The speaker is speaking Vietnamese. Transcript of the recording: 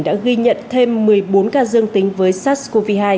đã ghi nhận thêm một mươi bốn ca dương tính với sars cov hai